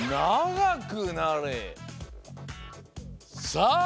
さあ